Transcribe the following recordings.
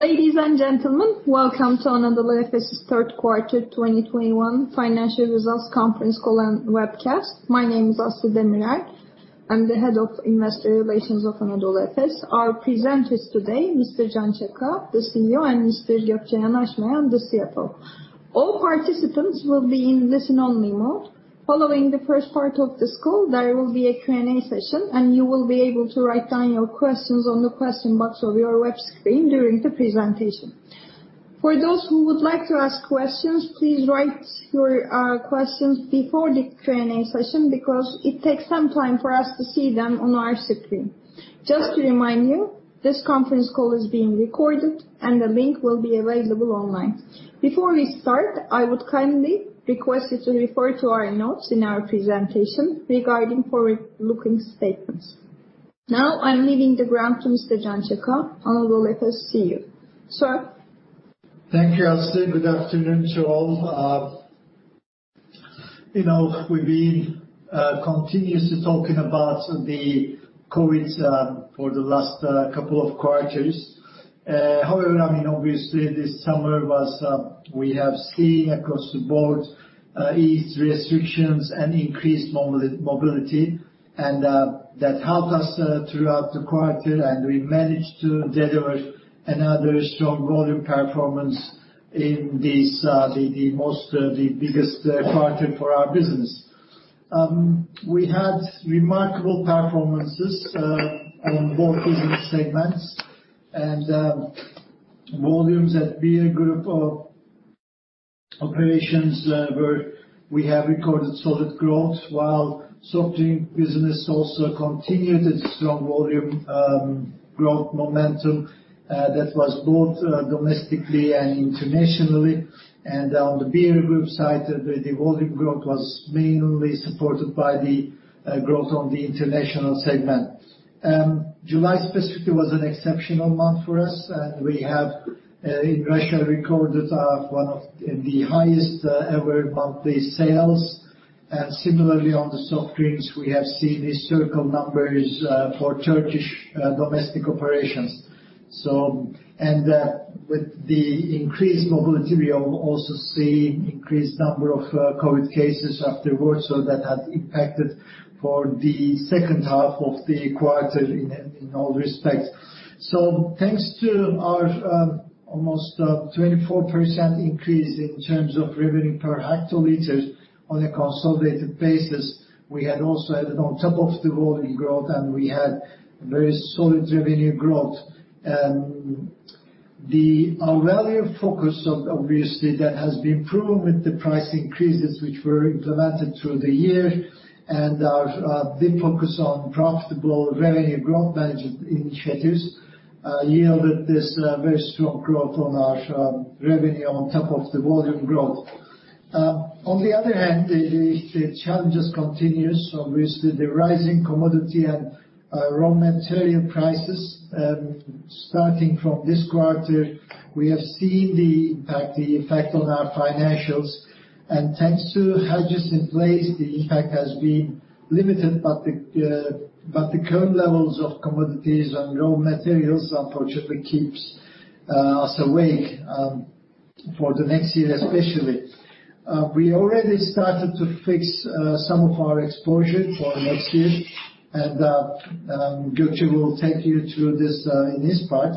Ladies and gentlemen, welcome to Anadolu Efes' third quarter 2021 financial results conference call and webcast. My name is Aslı Demirel. I'm the Head of Investor Relations of Anadolu Efes. Our presenters today, Mr. Can Çaka, the CEO, and Mr. Gökçe Yanaşmayan, the CFO. All participants will be in listen-only mode. Following the first part of this call, there will be a Q&A session, and you will be able to write down your questions on the question box of your web screen during the presentation. For those who would like to ask questions, please write your questions before the Q&A session because it takes some time for us to see them on our screen. Just to remind you, this conference call is being recorded and the link will be available online. Before we start, I would kindly request you to refer to our notes in our presentation regarding forward-looking statements. Now, I'm handing the floor to Mr. Can Çaka, Anadolu Efes CEO. Sir. Thank you, Aslı. Good afternoon to all. You know, we've been continuously talking about the COVID for the last couple of quarters. However, I mean, obviously this summer we have seen across the board ease restrictions and increased mobility and that helped us throughout the quarter, and we managed to deliver another strong volume performance in this, the biggest quarter for our business. We had remarkable performances on both business segments and volumes at Beer Group operations where we have recorded solid growth while soft drink business also continued its strong volume growth momentum that was both domestically and internationally. On the Beer Group side, the volume growth was mainly supported by the growth on the International segment. July specifically was an exceptional month for us, and we have in Russia recorded one of the highest ever monthly sales. Similarly on the soft drinks, we have seen historical numbers for Turkish domestic operations. With the increased mobility, we have also seen increased number of COVID cases afterwards, so that has impacted for the second half of the quarter in all respects. Thanks to our almost 24% increase in terms of revenue per hectoliters on a consolidated basis, we had also added on top of the volume growth, and we had very solid revenue growth. Our value focus, obviously, that has been proven with the price increases which were implemented through the year and our big focus on profitable revenue growth management initiatives yielded this very strong growth on our revenue on top of the volume growth. On the other hand, the challenges continues. Obviously, the rising commodity and raw material prices, starting from this quarter, we have seen the impact, the effect on our financials. Thanks to hedges in place, the impact has been limited, but the current levels of commodities and raw materials unfortunately keeps us awake for the next year, especially. We already started to fix some of our exposure for next year and Gökçe will take you through this in his part.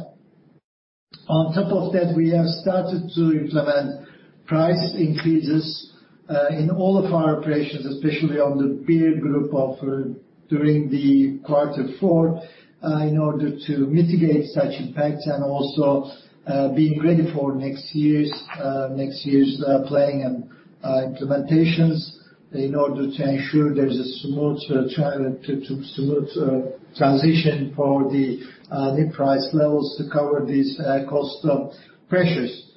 On top of that, we have started to implement price increases in all of our operations, especially on the beer group during quarter four, in order to mitigate such impacts and also being ready for next year's planning and implementations in order to ensure there's a smooth transition for the new price levels to cover these cost pressures.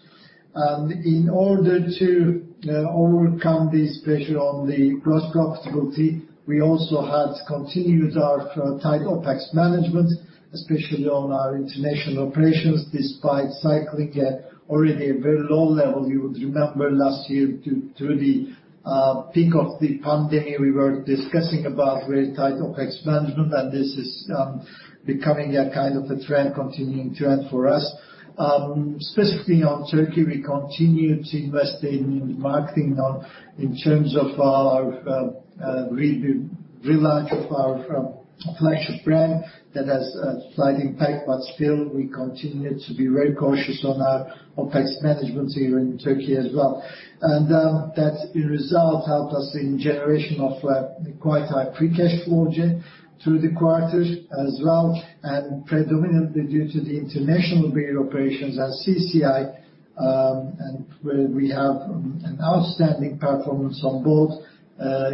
In order to overcome this pressure on the gross profitability, we also had continued our tight OpEx management, especially on our international operations, despite cycling at already a very low level. You would remember last year through the peak of the pandemic, we were discussing about very tight OpEx management and this is becoming a kind of a trend, continuing trend for us. Specifically on Turkey, we continued to invest in marketing on, in terms of our relaunch of our flagship brand. That has a slight impact, but still we continue to be very cautious on our OpEx management here in Turkey as well. That result helped us in generation of quite high free cash flow through the quarters as well, and predominantly due to the international beer operations at CCI, and where we have an outstanding performance on both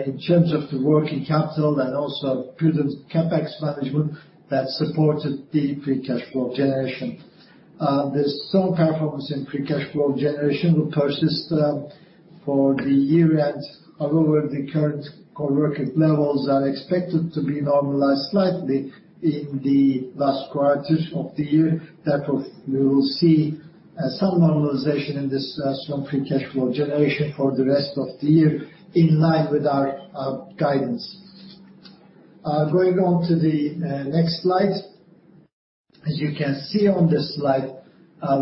in terms of the working capital and also prudent CapEx management that supported the free cash flow generation. The strong performance in free cash flow generation will persist for the year end. However, the current working capital levels are expected to be normalized slightly in the last quarters of the year. Therefore, we will see some normalization in this strong free cash flow generation for the rest of the year in line with our guidance. Going on to the next slide. As you can see on this slide,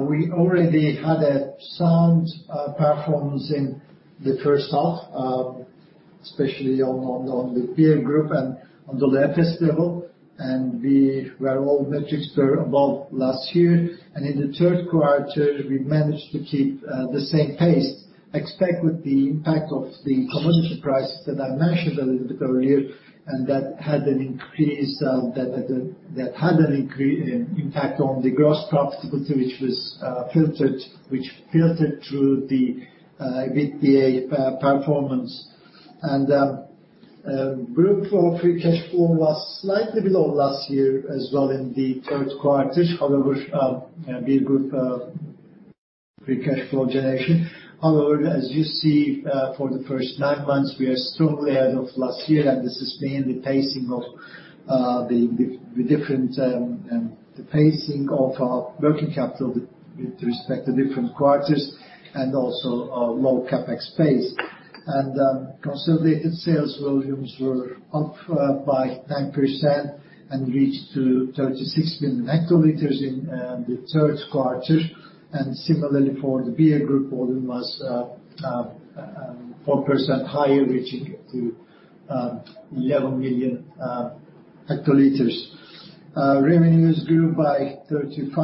we already had a sound performance in the first half, especially on the beer group and on the Efes level. All metrics were above last year. In the third quarter, we managed to keep the same pace, except with the impact of the commodity prices that I mentioned a little bit earlier, and that had an impact on the gross profitability which filtered through the EBITDA performance. Group free cash flow was slightly below last year as well in the third quarter. However, beer group free cash flow generation. However, as you see, for the first nine months, we are strongly ahead of last year, and this has been the pacing of our working capital with respect to different quarters and also our low CapEx pace. Consolidated sales volumes were up by 9% and reached to 36 million hectoliters in the third quarter. Similarly for the beer group, volume was 4% higher, reaching to 11 million hectoliters. Revenues grew by 35%.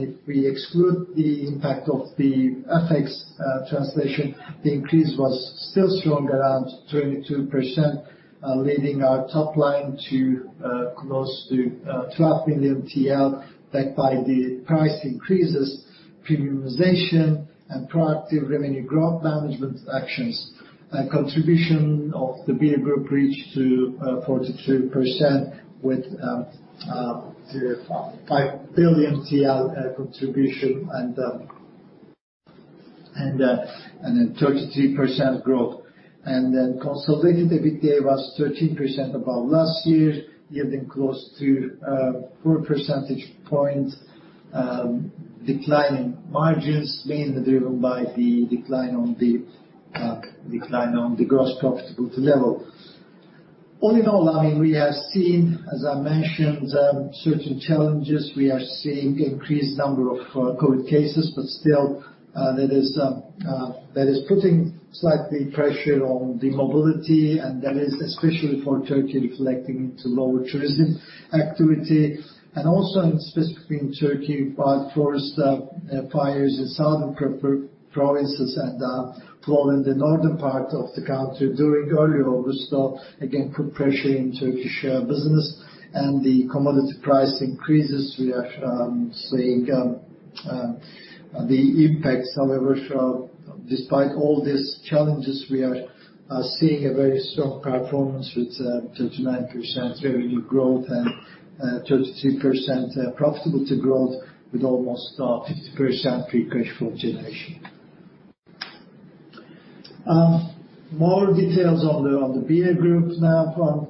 If we exclude the impact of the FX translation, the increase was still strong, around 22%, leading our top line to close to 12 billion TL backed by the price increases, premiumization, and proactive revenue growth management actions. Contribution of the beer group reached to 42% with TRY 5 billion contribution and then 33% growth. Consolidated EBITDA was 13% above last year, yielding close to 4 percentage points declining margins, mainly driven by the decline on the gross profitability level. All in all, I mean, we have seen, as I mentioned, certain challenges. We are seeing increased number of COVID cases, but still, that is putting slight pressure on the mobility and that is especially for Turkey reflecting into lower tourism activity. Also, specifically in Turkey, wildfires in southern provinces and flood in the northern part of the country during early August again put pressure on Turkish business. The commodity price increases, we are seeing the impacts. However, despite all these challenges, we are seeing a very strong performance with 39% revenue growth and 33% profitability growth with almost 50% free cash flow generation. More details on the beer group now.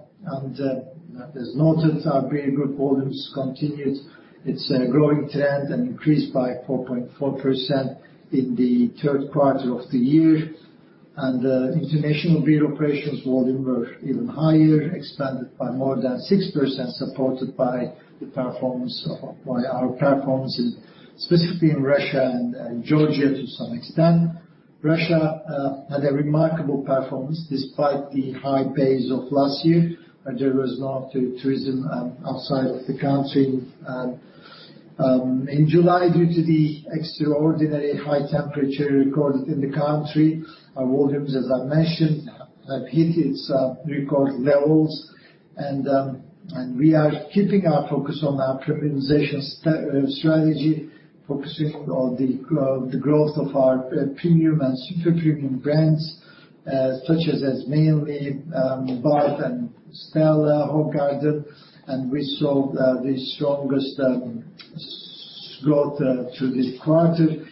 As noted, our beer group volumes continued its growing trend and increased by 4.4% in the third quarter of the year. International beer operations volume were even higher, expanded by more than 6%, supported by our performance specifically in Russia and Georgia to some extent. Russia had a remarkable performance despite the high base of last year. There was no tourism outside of the country. In July, due to the extraordinary high temperature recorded in the country, our volumes, as I mentioned, have hit its record levels. We are keeping our focus on our premiumization strategy, focusing on the growth of our premium and super premium brands, such as mainly Bomonti and Stella Artois. We saw the strongest sales growth through this quarter.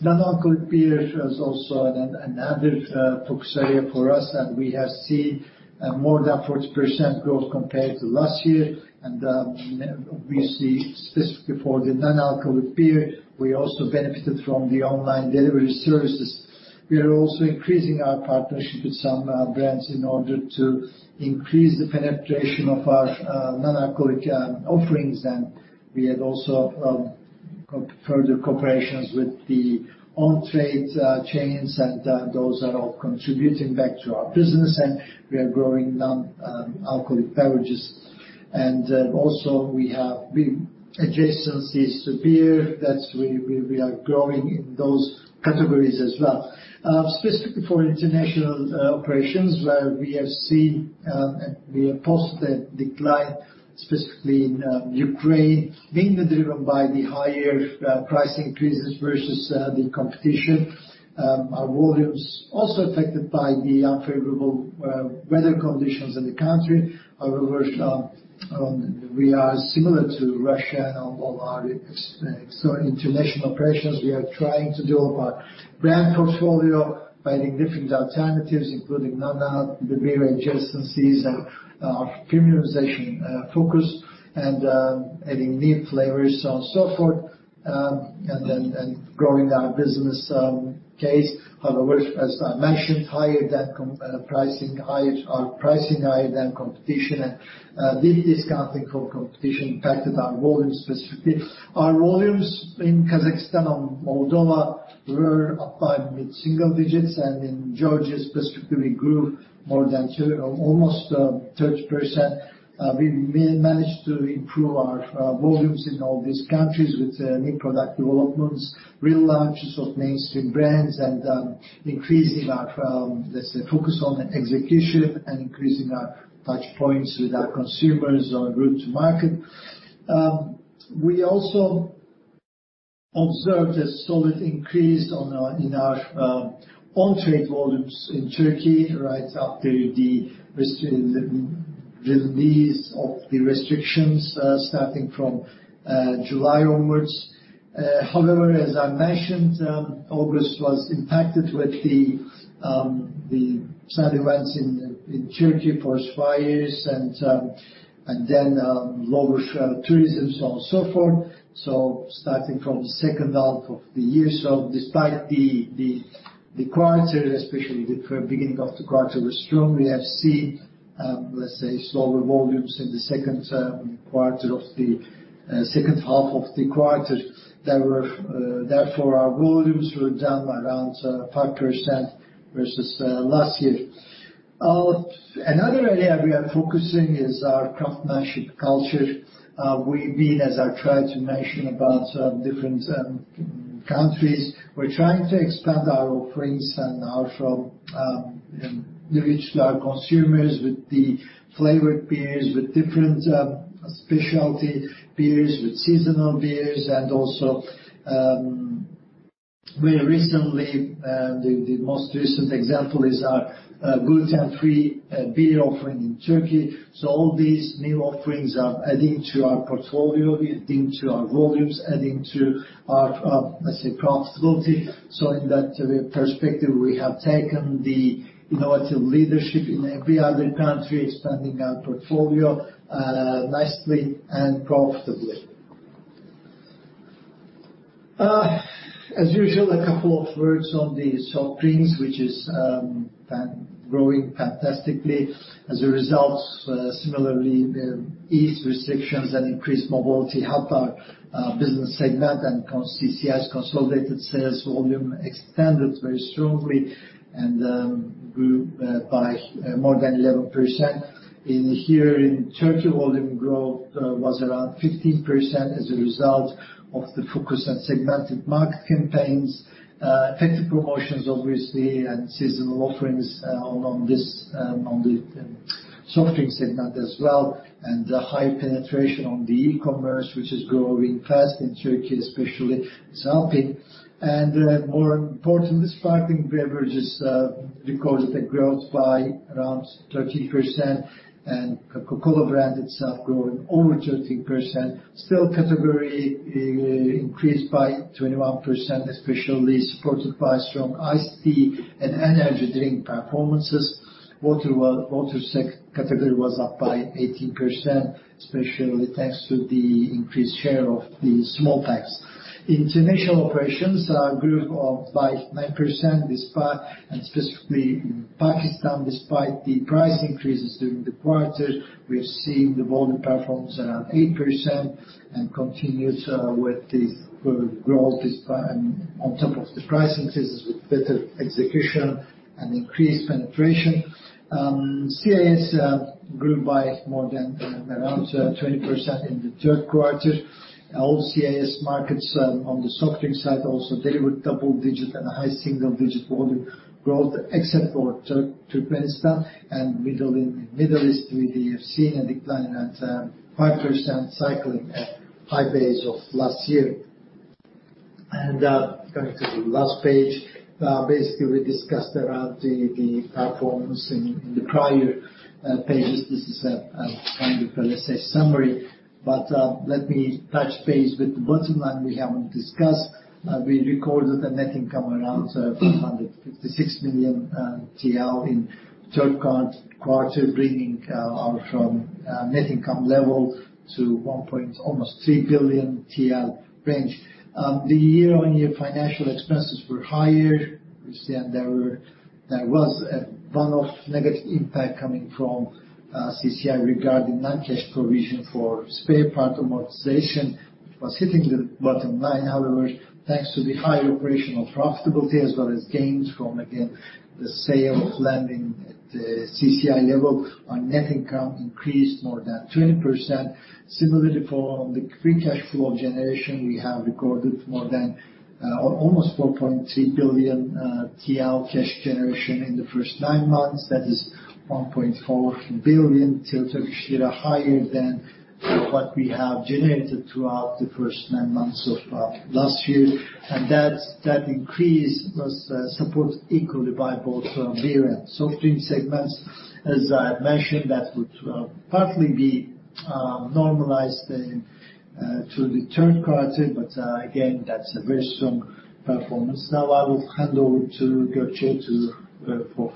Non-alcoholic beer is also an added focus area for us, and we have seen more than 40% growth compared to last year. We see specifically for the non-alcoholic beer, we also benefited from the online delivery services. We are also increasing our partnership with some brands in order to increase the penetration of our non-alcoholic offerings. We had also further cooperations with the on-trade chains, and those are all contributing back to our business. We are growing non-alcoholic beverages. Also we have big adjacencies to beer. That's where we are growing in those categories as well. Specifically for international operations, where we have seen we have posted decline, specifically in Ukraine, mainly driven by the higher price increases versus the competition. Our volumes also affected by the unfavorable weather conditions in the country. However, we are similar to Russia and Moldova. International operations, we are trying to develop our brand portfolio by adding different alternatives, including non-al, the beer adjacencies and our premiumization focus and adding new flavors so on and so forth, and growing our business case. However, as I mentioned, pricing higher, our pricing higher than competition and deep discounting from competition impacted our volumes specifically. Our volumes in Kazakhstan and Moldova were up by mid-single digits and in Georgia specifically grew more than two or almost 30%. We managed to improve our volumes in all these countries with new product developments, real launches of mainstream brands and increasing our, let's say, focus on execution and increasing our touchpoints with our consumers on route to market. We also observed a solid increase in our on-trade volumes in Turkey right after the release of the restrictions starting from July onwards. However, as I mentioned, August was impacted with the sad events in Turkey, forest fires and then lower tourism, so on, so forth. Starting from the second half of the year. Despite the quarter, especially the beginning of the quarter was strong, we have seen, let's say slower volumes in the second quarter of the second half of the quarter. Therefore, our volumes were down by around 5% versus last year. Another area we are focusing is our craftsmanship culture. We've been, as I've tried to mention about different countries, we're trying to expand our offerings and our reach to our consumers with the flavored beers, with different specialty beers, with seasonal beers and also very recently, the most recent example is our gluten-free beer offering in Turkey. All these new offerings are adding to our portfolio, adding to our volumes, adding to our, let's say, profitability. In that perspective, we have taken the innovative leadership in every other country, expanding our portfolio, nicely and profitably. As usual, a couple of words on the soft drinks, which is growing fantastically. As a result, similarly, eased restrictions and increased mobility helped our business segment and CCI's consolidated sales volume extended very strongly and grew by more than 11%. In Turkey, volume growth was around 15% as a result of the focus and segmented market campaigns, effective promotions obviously, and seasonal offerings on the soft drink segment as well, and the high penetration on the e-commerce which is growing fast in Turkey especially, it's helping. More importantly, sparkling beverages recorded a growth by around 13% and Coca-Cola brand itself growing over 13%. Still category increased by 21%, especially supported by strong ice tea and energy drink performances. Water category was up by 18%, especially thanks to the increased share of the small packs. International operations grew by 9% and specifically in Pakistan, despite the price increases during the quarter, we've seen the volume performance around 8% and continues with this growth on top of the price increases with better execution and increased penetration. CIS grew by more than around 20% in the third quarter. All CIS markets on the soft drink side also delivered double digit and a high single digit volume growth, except for Turkmenistan and Middle East, we have seen a decline at 5% cycling at high base of last year. Going to the last page, basically we discussed around the performance in the prior pages. This is the kind of let's say summary. Let me touch base with the bottom line we haven't discussed. We recorded a net income around 556 million TL in third quarter, bringing our net income level to 1 almost 3 billion TL range. The year-on-year financial expenses were higher. You see there was a one-off negative impact coming from CCI regarding non-cash provision for spare part amortization hitting the bottom line. However, thanks to the high operational profitability as well as gains from again the sale of land in the CCI level, our net income increased more than 20%. Similarly, for the free cash flow generation, we have recorded more than almost 4.3 billion TL cash generation in the first nine months. That is 1.4 billion higher than what we have generated throughout the first nine months of last year. That increase was supported equally by both our beer and soft drink segments. As I had mentioned, that would partly be normalized into the third quarter. Again, that's a very strong performance. Now I will hand over to Gökçe for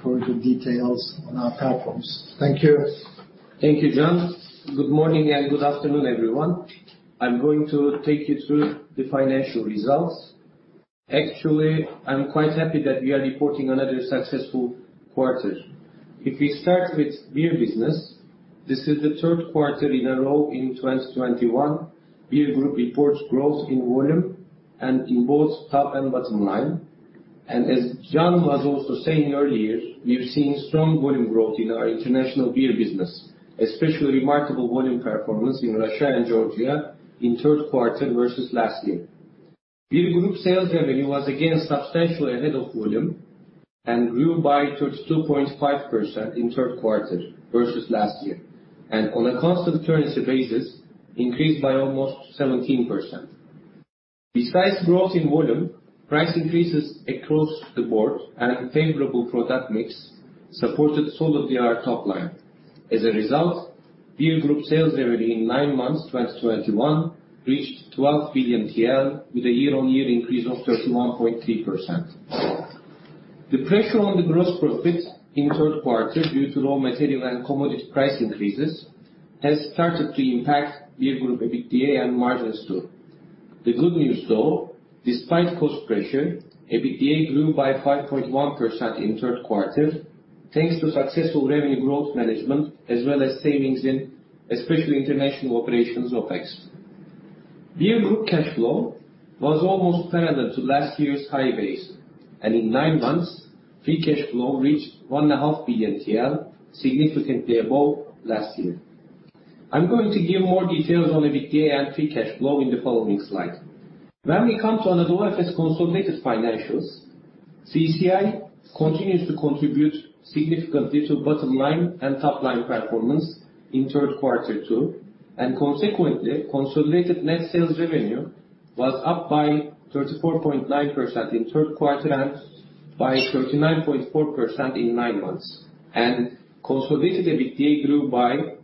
further details on our performance. Thank you. Thank you, Can. Good morning and good afternoon, everyone. I'm going to take you through the financial results. Actually, I'm quite happy that we are reporting another successful quarter. If we start with beer business, this is the third quarter in a row in 2021. Beer Group reports growth in volume and in both top and bottom line. As Can was also saying earlier, we've seen strong volume growth in our international beer business, especially remarkable volume performance in Russia and Georgia in third quarter versus last year. Beer Group sales revenue was again substantially ahead of volume and grew by 32.5% in third quarter versus last year. On a constant currency basis, increased by almost 17%. Besides growth in volume, price increases across the board and favorable product mix supported solidly our top line. As a result, Beer Group sales revenue in nine months 2021 reached 12 billion TL with a year-on-year increase of 31.3%. The pressure on the gross profit in third quarter due to raw material and commodity price increases has started to impact Beer Group EBITDA and margins too. The good news though, despite cost pressure, EBITDA grew by 5.1% in third quarter, thanks to successful revenue growth management as well as savings in especially international operations OpEx. Beer Group cash flow was almost parallel to last year's high base, and in nine months, free cash flow reached 1.5 billion TL, significantly above last year. I'm going to give more details on EBITDA and free cash flow in the following slide. When we come to Anadolu Efes consolidated financials, CCI continues to contribute significantly to bottom line and top line performance in third quarter too. Consequently, consolidated net sales revenue was up by 34.9% in third quarter and by 39.4% in nine months. Consolidated EBITDA grew by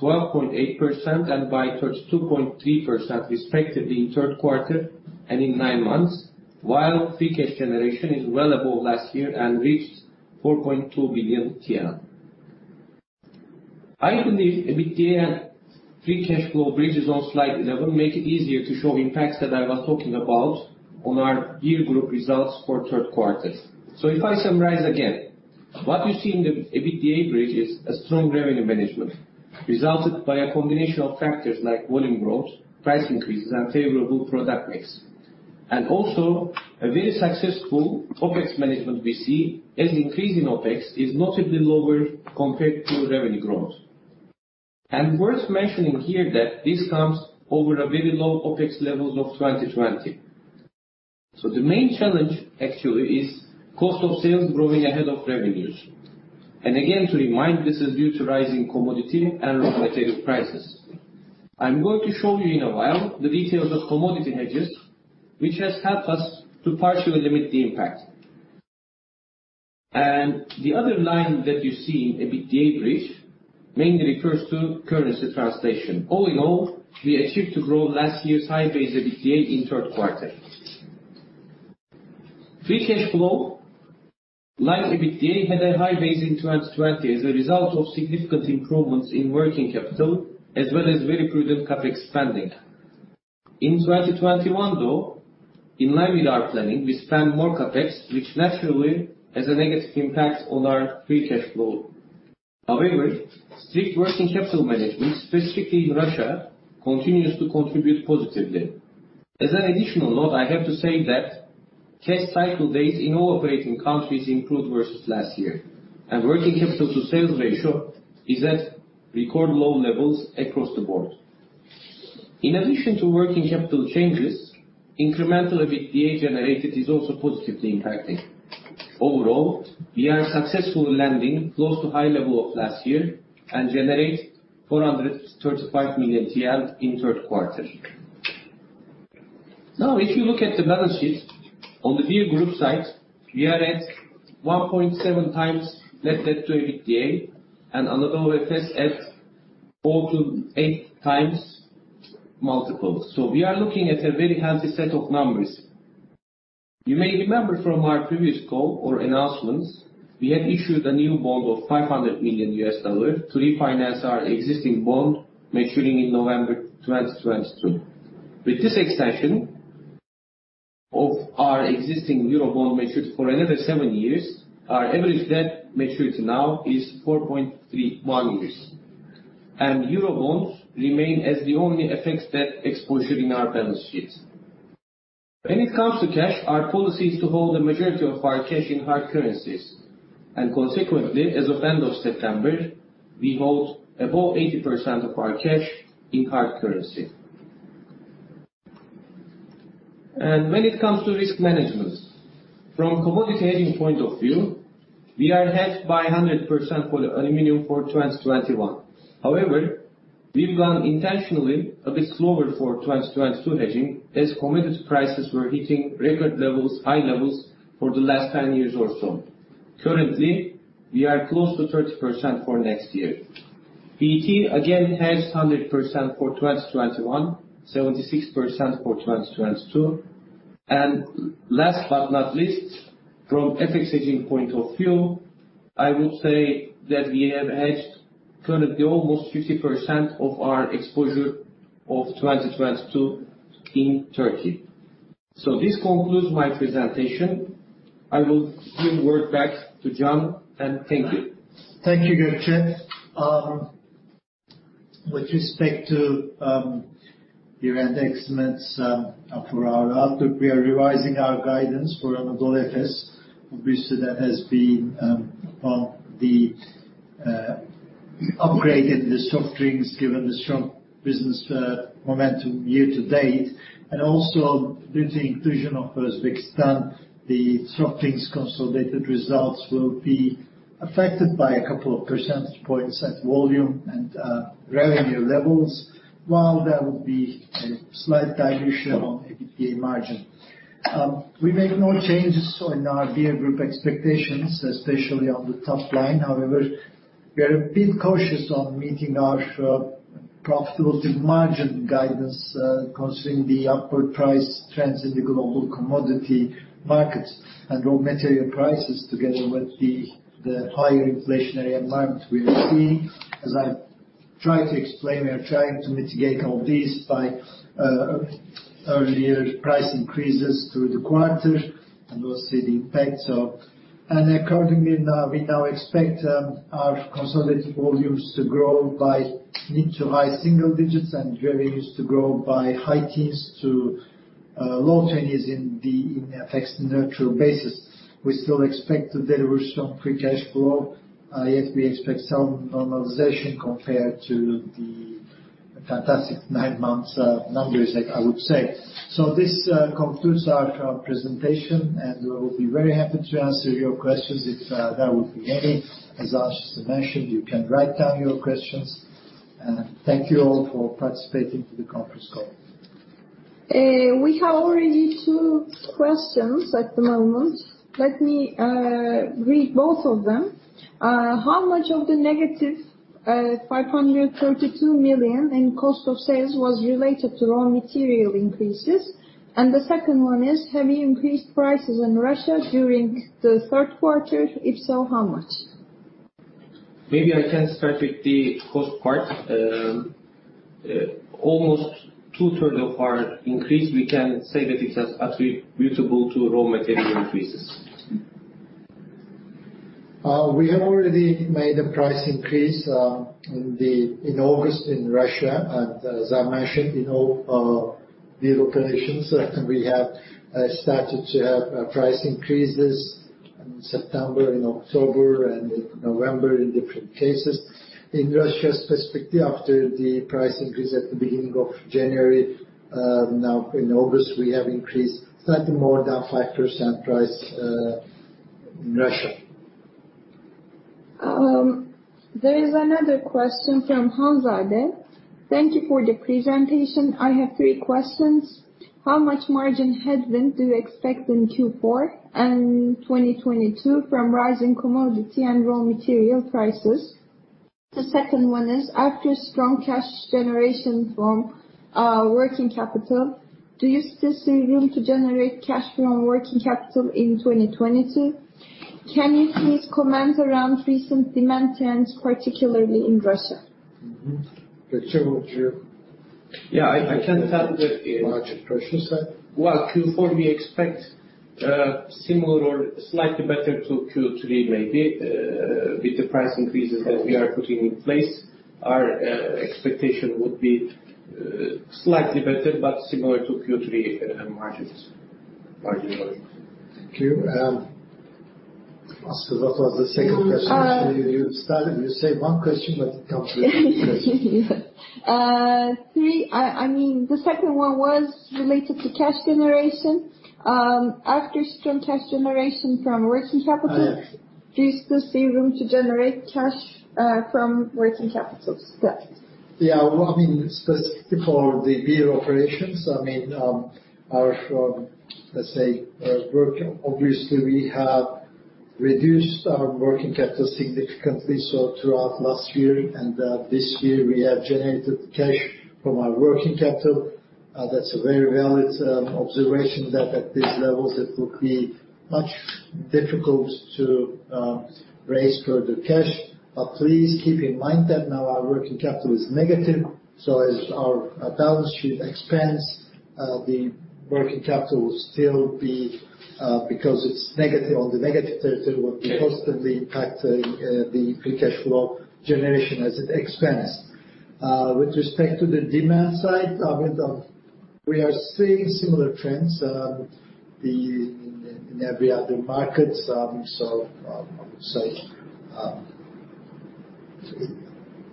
12.8% and by 32.3% respectively in third quarter and in nine months, while free cash generation is well above last year and reached 4.2 billion TL. I believe EBITDA and free cash flow bridge is on slide 11, make it easier to show impacts that I was talking about on our beer group results for third quarter. If I summarize again, what you see in the EBITDA bridge is a strong revenue management resulted by a combination of factors like volume growth, price increases, and favorable product mix. Also a very successful OpEx management we see the increase in OpEx is notably lower compared to revenue growth. Worth mentioning here that this comes over a very low OpEx levels of 2020. The main challenge actually is cost of sales growing ahead of revenues. Again, to remind, this is due to rising commodity and raw material prices. I'm going to show you in a while the details of commodity hedges, which has helped us to partially limit the impact. The other line that you see in EBITDA bridge mainly refers to currency translation. All in all, we achieved to grow last year's high base EBITDA in third quarter. Free cash flow, like EBITDA, had a high base in 2020 as a result of significant improvements in working capital, as well as very prudent CapEx spending. In 2021, though, in line with our planning, we spend more CapEx, which naturally has a negative impact on our free cash flow. However, strict working capital management, specifically in Russia, continues to contribute positively. As an additional note, I have to say that cash cycle days in all operating countries improved versus last year. Working capital to sales ratio is at record low levels across the board. In addition to working capital changes, incremental EBITDA generated is also positively impacting. Overall, we are successfully landing close to high level of last year and generate 435 million TL in third quarter. Now, if you look at the balance sheet on the beer group side, we are at 1.7x net debt to EBITDA and Anadolu Efes at 4x-8x multiples. We are looking at a very healthy set of numbers. You may remember from our previous call or announcements, we had issued a new bond of $500 million to refinance our existing bond maturing in November 2022. With this extension of our existing Eurobond maturity for another seven years, our average debt maturity now is 4.31 years. Eurobonds remain as the only FX debt exposure in our balance sheets. When it comes to cash, our policy is to hold the majority of our cash in hard currencies. Consequently, as of end of September, we hold above 80% of our cash in hard currency. When it comes to risk management, from commodity hedging point of view, we are hedged by 100% for the aluminum for 2021. However, we've gone intentionally a bit slower for 2022 hedging as commodity prices were hitting record levels, high levels for the last 10 years or so. Currently, we are close to 30% for next year. PET again hedged 100% for 2021, 76% for 2022. Last but not least, from FX hedging point of view, I would say that we have hedged currently almost 50% of our exposure of 2022 in Turkey. This concludes my presentation. I will give word back to Can, and thank you. Thank you, Gökçe. With respect to the EBITDA guidance for our outlook, we are revising our guidance for Anadolu Efes. Obviously, that has been on the upgrade in the soft drinks, given the strong business momentum year to date, and also due to the inclusion of Uzbekistan, the soft drinks consolidated results will be affected by a couple of percentage points at volume and revenue levels, while there will be a slight dilution on EBITDA margin. We make no changes in our Beer Group expectations, especially on the top line. However, we are a bit cautious on meeting our profitability margin guidance, considering the upward price trends in the global commodity markets and raw material prices together with the higher inflationary environment we are seeing. As I try to explain, we are trying to mitigate all this by earlier price increases through the quarter and we'll see the impact. Accordingly, we now expect our consolidated volumes to grow by mid- to high-single digits% and revenues to grow by high teens to low twenties% in the FX neutral basis. We still expect the delivery of strong free cash flow, yet we expect some normalization compared to the fantastic nine months numbers, like I would say. This concludes our presentation, and we will be very happy to answer your questions if there would be any. As Aslı just mentioned, you can write down your questions. Thank you all for participating to the conference call. We have already two questions at the moment. Let me read both of them. How much of the negative 532 million in cost of sales was related to raw material increases? The second one is, have you increased prices in Russia during the third quarter? If so, how much? Maybe I can start with the first part. Almost 2/3 of our increase, we can say that it is attributable to raw material increases. We have already made a price increase in August in Russia, and as I mentioned, in all beer operations, we have started to have price increases in September and October and November in different cases. In Russia, specifically, after the price increase at the beginning of January, now in August, we have increased slightly more than 5% price in Russia. There is another question from Hanzade. Thank you for the presentation. I have three questions. How much margin headwind do you expect in Q4 and 2022 from rising commodity and raw material prices? The second one is, after strong cash generation from working capital, do you still see room to generate cash from working capital in 2022? Can you please comment around recent demand trends, particularly in Russia? Gökçe, would you Yeah, I can tell that. Margin pressure side. Well, Q4, we expect similar or slightly better to Q3, maybe. With the price increases that we are putting in place, our expectation would be slightly better but similar to Q3 margins. Thank you. Aslı, what was the second question? Uh- You started, you say one question, but it comes with three questions. I mean, the second one was related to cash generation after strong cash generation from working capital. Uh- Do you still see room to generate cash from working capital? Yes. Yeah, well, I mean, specific for the beer operations, I mean, obviously we have reduced our working capital significantly so throughout last year, and this year we have generated cash from our working capital. That's a very valid observation that at these levels it would be much difficult to raise further cash. Please keep in mind that now our working capital is negative, so as our balance sheet expands, the working capital will still be, because it's negative, on the negative territory, will be constantly impacting the free cash flow generation as it expands. With respect to the demand side, I mean, we are seeing similar trends in every other markets, so I would say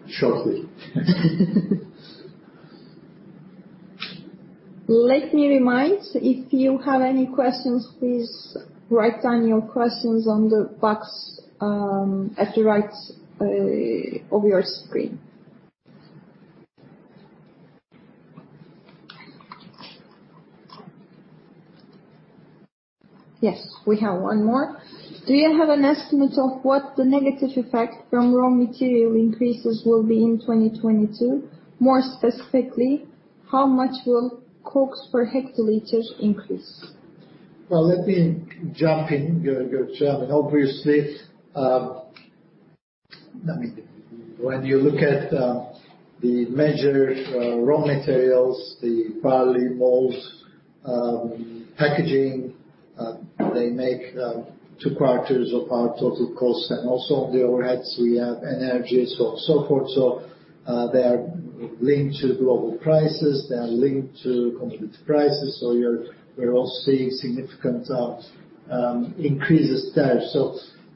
shortly. Let me remind, if you have any questions, please write down your questions on the box at the right of your screen. Yes, we have one more. Do you have an estimate of what the negative effect from raw material increases will be in 2022? More specifically, how much will COGS per hectoliters increase? Well, let me jump in, Gökçe. Obviously, when you look at the major raw materials, the barley, malt, packaging, they make two quarters of our total cost, and also on the overheads we have energy, so on, so forth. They are linked to global prices, they are linked to commodity prices. We are, we are all seeing significant increases there.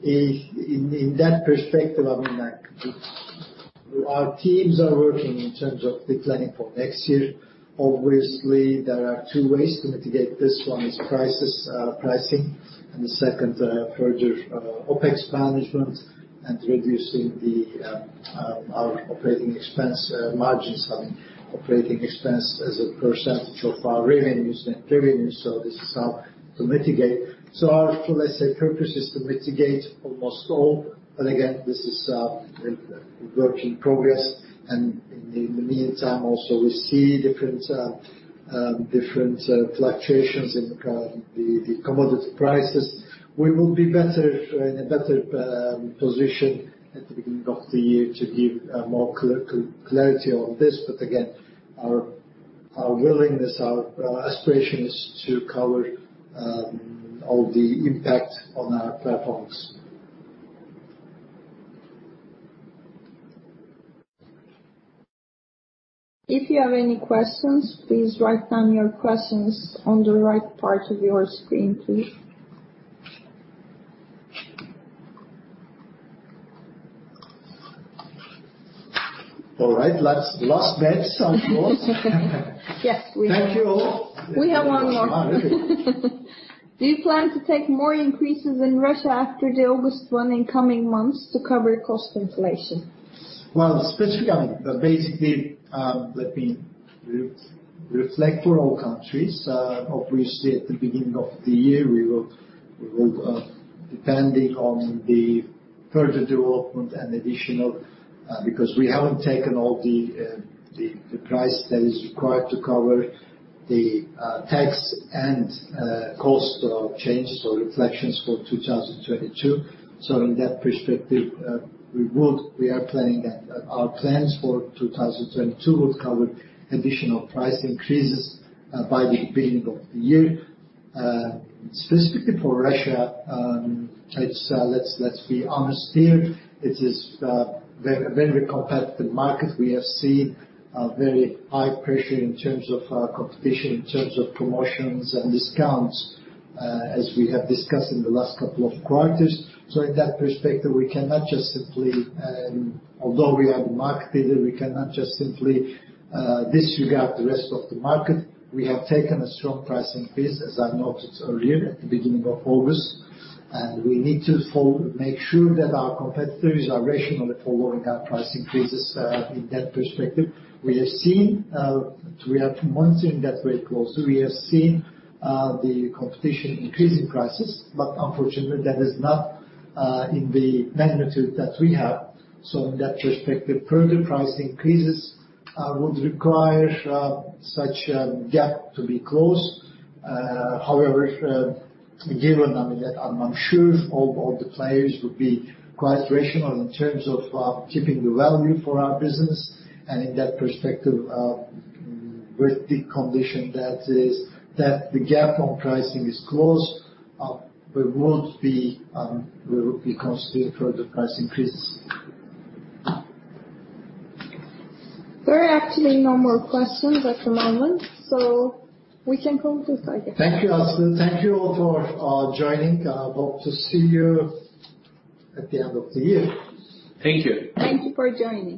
In that perspective, I mean, like, our teams are working in terms of the planning for next year. Obviously, there are two ways to mitigate this. One is pricing, and the second, further OPEX management and reducing our operating expense margins, I mean, operating expense as a percentage of our revenues. This is how to mitigate. Our, let's say, purpose is to mitigate almost all. This is work in progress. In the meantime also, we see different fluctuations in the commodity prices. We will be in a better position at the beginning of the year to give more clarity on this. Our willingness, our aspiration is to cover all the impact on our platforms. If you have any questions, please write down your questions on the right part of your screen, please. All right. Last bets on board. Yes, we have. Thank you all. We have one more. Really? Do you plan to take more increases in Russia after the August one in coming months to cover cost inflation? Well, specifically, but basically, let me reflect for all countries. Obviously, at the beginning of the year, we will, depending on the further development and additional, because we haven't taken all the price that is required to cover the tax and cost of changes or reflections for 2022. In that perspective, we would. We are planning at, our plans for 2022 would cover additional price increases by the beginning of the year. Specifically for Russia, let's be honest here. It is very, very competitive market. We have seen very high pressure in terms of competition, in terms of promotions and discounts, as we have discussed in the last couple of quarters. In that perspective, although we are the market leader, we cannot just simply disregard the rest of the market. We have taken a strong price increase, as I noted earlier, at the beginning of August, and we need to make sure that our competitors are rationally following our price increases in that perspective. We are monitoring that very closely. We have seen the competition increasing prices, but unfortunately that is not in the magnitude that we have. In that perspective, further price increases would require such a gap to be closed. However, given, I mean, that I'm sure all the players would be quite rational in terms of keeping the value for our business and in that perspective, with the condition that is, that the gap on pricing is closed, we will be considering further price increases. There are actually no more questions at the moment, so we can close this, I guess. Thank you, Aslı. Thank you all for joining. I hope to see you at the end of the year. Thank you. Thank you for joining.